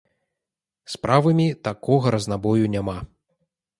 З правымі такога разнабою няма.